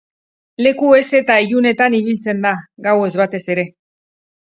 Leku heze eta ilunetan ibiltzen da, gauez batez ere.